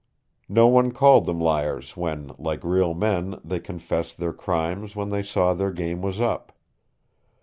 No one called them liars when, like real men, they confessed their crimes when they saw their game was up.